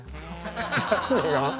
何が？